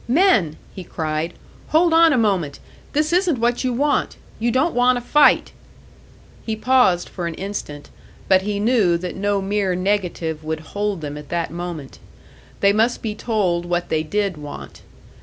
"Men!" he cried. "Hold on a moment! This isn't what you want! You don't want a fight!" He paused for an instant; but he knew that no mere negative would hold them at that moment. They must be told what they did want.